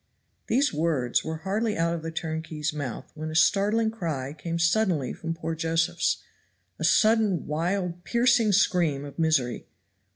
These words were hardly out of the turnkey's mouth when a startling cry came suddenly from poor Josephs; a sudden, wild, piercing scream of misery.